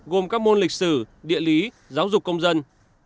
gồm các môn lịch sử địa lý giáo dục công dân